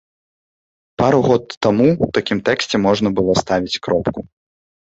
Пару год таму ў такім тэксце можна было ставіць кропку.